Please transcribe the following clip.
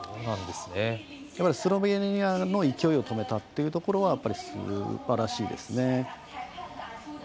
スロベニアの勢いを止めたっていうところがやっぱり、すばらしいですね。